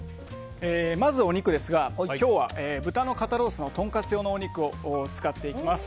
まずお肉ですが今日は豚の肩ロースのトンカツ用肉を使っていきます。